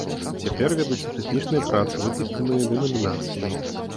Цяпер вядуцца тэхнічныя працы, выкліканыя дэнамінацыяй.